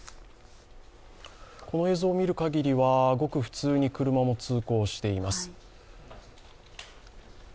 この映像を見るかぎりはごく普通に車も通行しています。